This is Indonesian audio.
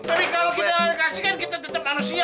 tapi kalau kita dikasihkan kita tetap manusia